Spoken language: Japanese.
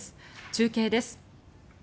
中継です。